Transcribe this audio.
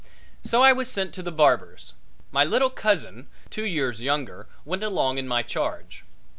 So I was sent to the barber's. My little cousin, two years younger, went along in my charge.